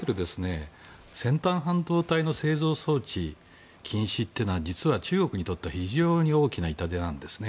先端半導体の製造装置禁止というのは実は中国にとっては非常に大きな痛手なんですね。